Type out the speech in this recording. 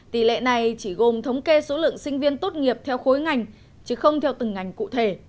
tỷ lệ này chỉ gồm thống kê số lượng sinh viên tốt nghiệp theo khối ngành chứ không theo từng ngành cụ thể